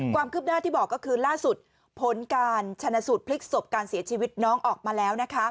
ความคืบหน้าที่บอกก็คือล่าสุดผลการชนะสูตรพลิกศพการเสียชีวิตน้องออกมาแล้วนะคะ